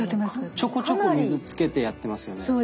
ちょこちょこ水つけてやってますよね。